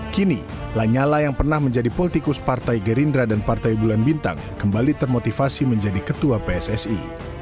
kini lanyala yang pernah menjadi politikus partai gerindra dan partai bulan bintang kembali termotivasi menjadi ketua pssi